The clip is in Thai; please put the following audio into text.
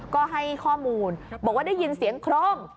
ก็ให้ข้อมูลบอกว่าได้ยินเสียงโครม